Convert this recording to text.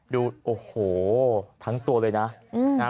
ดูโอ้โหทั้งตัวเลยนะ